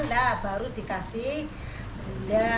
nah baru dikasih gula